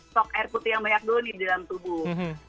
stok air putih yang banyak dulu di dalam tubuh